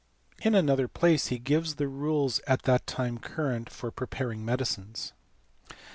In another place he gives (lie rules at that time current for preparing medicines.